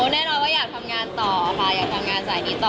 แน่นอนว่าอยากทำงานต่อค่ะอยากทำงานสายนี้ต่อ